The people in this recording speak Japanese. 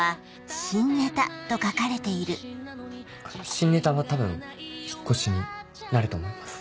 新ネタは多分「引っ越し」になると思います。